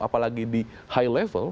apalagi di high level